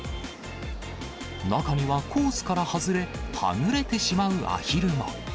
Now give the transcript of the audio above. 中にはコースから外れ、はぐれてしまうアヒルも。